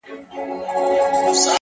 هغه به خپل زړه په ژړا وویني’